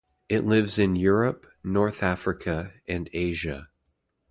It lives in Europe, North Africa and Asia.